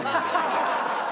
ハハハハ！